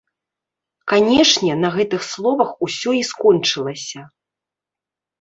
Канешне, на гэтых словах усё і скончылася.